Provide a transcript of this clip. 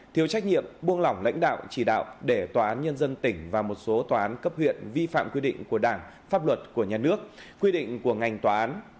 thiếu trách nhiệm buông lỏng lãnh đạo chỉ đạo để tòa án nhân dân tỉnh và một số tòa án cấp huyện vi phạm quy định của đảng pháp luật của nhà nước quy định của ngành tòa án